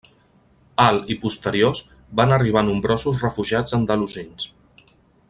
Al i posteriors van arribar nombrosos refugiats andalusins.